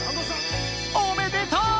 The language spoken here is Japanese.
おめでとう！